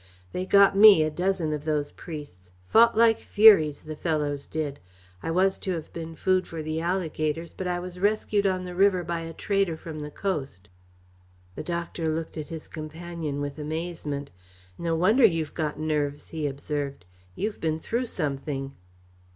They got me, a dozen of those priests. Fought like furies, the fellows did! I was to have been food for the alligators but I was rescued on the river by a trader from the coast." The doctor looked at his companion with amazement. "No wonder you've got nerves," he observed. "You've been through something."